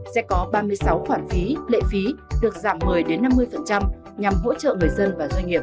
sẽ có ba mươi sáu khoản phí lệ phí được giảm một mươi năm mươi nhằm hỗ trợ người dân và doanh nghiệp